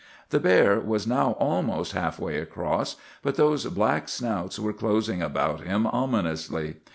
"The bear was now almost half way across, but those black snouts were closing about him ominously.